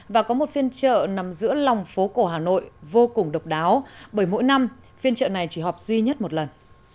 và có một phiên trợ nằm giữa lòng phố cổ hà nội vô cùng độc đáo bởi mỗi năm phiên trợ này chỉ họp duy nhất một lần